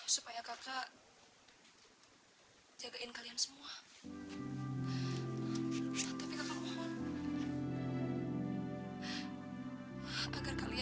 sampai jumpa di video selanjutnya